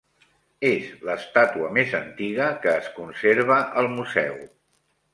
És l'estàtua més antiga que es conserva al museu.